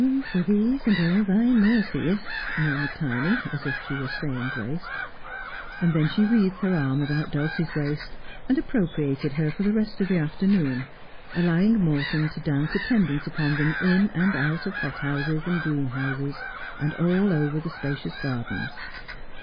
' For these and all Thy mercies —' murmured Tiny, as if she were saying grace. And then she wreathed her arm round Dulcie's waist, and appropriated her for the rest of the afternoon, allowing Morton to dance attendance upon them in and out of hothouses and greenhouses, and all over the spacious gardens.